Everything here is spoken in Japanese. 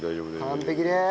完璧でーす。